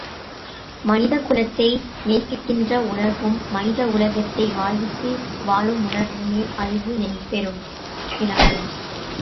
மனித குலத்தை நேசிக்கின்ற உணர்வும், மனித உலகத்தை வாழ்வித்து வாழும் உணர்வுமே அறிவு எனப்பெறும்.